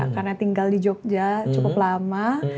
karena tinggal di jogja cukup lama